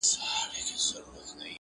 پرېږدی په اور يې اوربل مه ورانوی!.